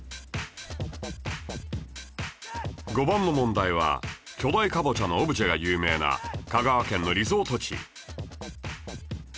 ５番の問題は巨大かぼちゃのオブジェが有名な香川県のリゾート地